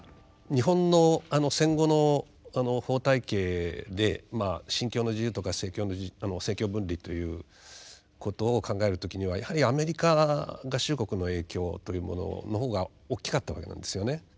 日本の戦後の法体系で「信教の自由」とか政教分離ということを考える時にはやはりアメリカ合衆国の影響というものの方が大きかったわけなんですよね。